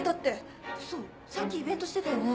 さっきイベントしてたよね？